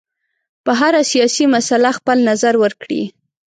په هره سیاسي مسله خپل نظر ورکړي.